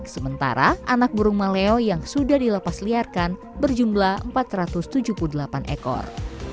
sementara anak burung maleo yang sudah dilepas liarkan berjumlah empat ratus tujuh puluh delapan ekor